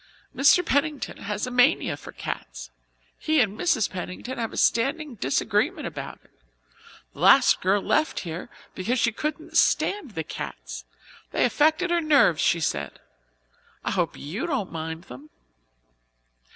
"Mr. Pennington has a mania for cats. He and Mrs. Pennington have a standing disagreement about it. The last girl left here because she couldn't stand the cats; they affected her nerves, she said. I hope you don't mind them."